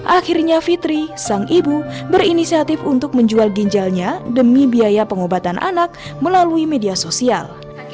akhirnya fitri sang ibu berinisiatif untuk menjual ginjalnya demi biaya pengobatan anak melalui media sosial